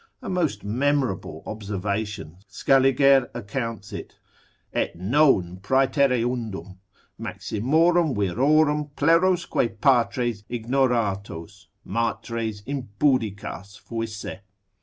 A most memorable observation, Scaliger accounts it, et non praetereundum, maximorum virorum plerosque patres ignoratos, matres impudicas fuisse.